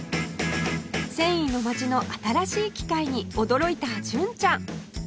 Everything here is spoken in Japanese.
繊維の街の新しい機械に驚いた純ちゃん